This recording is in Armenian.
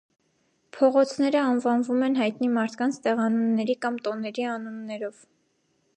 Փողոցները անվանվում են հայտնի մարդկանց, տեղանունների կամ տոների անուններով։